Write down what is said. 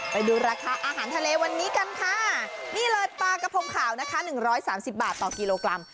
ไปดูราคาอาหารทะเลวันนี้กันค่ะนี่เลยปลากระพมขาวนะคะ๑๓๐บาทต่อกิโลกรัม